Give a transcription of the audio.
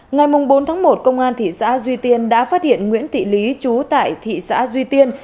ngày bốn tháng một công an thị xã duy tiên đã phát hiện nguyễn thị lý trú tại thị xã duy tiên